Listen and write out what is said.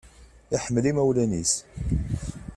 Iḥemmel imawlan-is